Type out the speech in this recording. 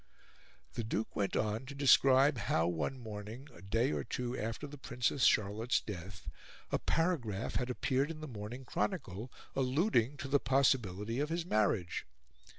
The Duke went on to describe how, one morning, a day or two after the Princess Charlotte's death, a paragraph had appeared in the Morning Chronicle, alluding to the possibility of his marriage.